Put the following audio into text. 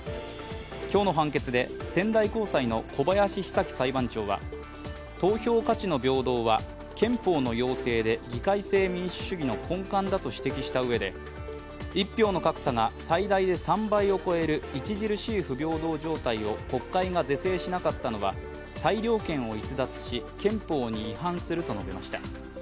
今日の判決で仙台高裁の小林久起裁判長は投票価値の平等は憲法の要請で議会制民主主義の根幹だと指摘したうえで一票の格差が最大で３倍を超える著しい不平等状態を国会が是正しなかったのは裁量権を逸脱し憲法に違反すると述べました。